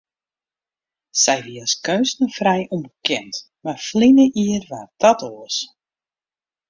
Sy wie as keunstner frij ûnbekend, mar ferline jier waard dat oars.